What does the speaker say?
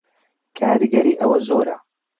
کاریگەری ئەوە زۆرە